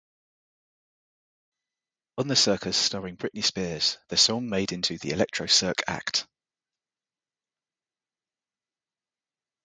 On The Circus Starring Britney Spears, the song made into the Electro Circ act.